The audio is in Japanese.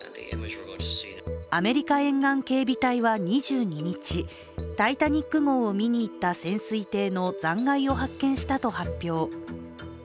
アメリカ沿岸警備隊は２２日、「タイタニック」号を見に行った潜水艇の残骸を発見したと発表。